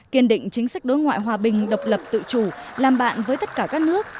kiên định chính sách đối ngoại hòa bình độc lập tự chủ làm bạn với tất cả các nước